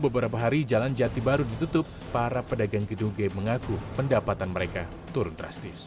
beberapa hari jalan jati baru ditutup para pedagang gedung g mengaku pendapatan mereka turun drastis